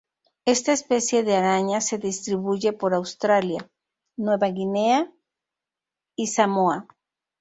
Esta especie de araña se distribuye por Australia, Nueva Guinea y Samoa.